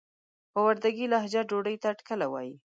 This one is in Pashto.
په وردګي لهجه ډوډۍ ته ټکله وايي.